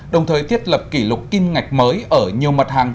đồng thời thiết lập kỷ lục kim ngạch mới ở nhiều mặt hàng